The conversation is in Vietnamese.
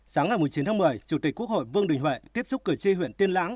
sáng ngày chín tháng một mươi chủ tịch quốc hội vương đình huệ tiếp xúc cửa chi huyện tiên lãng